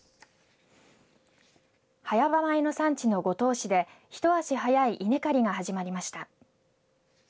早場米の産地の五島市で一足早い稲刈りが始まりました。